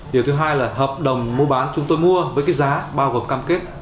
điều thứ hai là hợp đồng mua bán chúng tôi mua với cái giá bao gồm cam kết